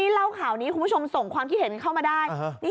เล่าข่าวนี้คุณผู้ชมส่งความคิดเห็นเข้ามาได้